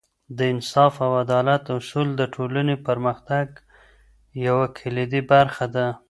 د انصاف او عدالت اصول د ټولنې پرمختګ یوه کلیدي برخه ده.